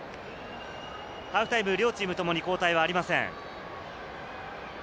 ハーフタイム、両チーム共に交代はありません。